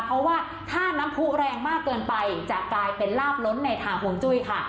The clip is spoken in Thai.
เพราะว่าถ้าน้ำผู้แรงมากเกินไปจะกลายเป็นลาบล้นในทางห่วงจุ้ยค่ะ